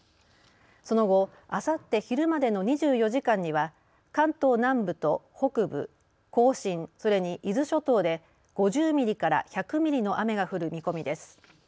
その後、あさって昼までの２４時間には関東南部と北部、甲信、それに伊豆諸島で５０ミリから１００ミリの雨が降る見込みです。